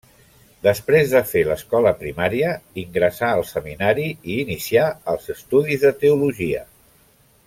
Després de fer l'escola primària ingressà al seminari i inicià els estudis de teologia.